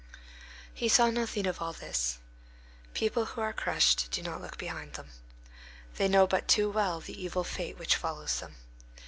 He saw nothing of all this. People who are crushed do not look behind them. They know but too well the evil fate which follows them.